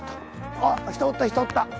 あっ人おった人おった。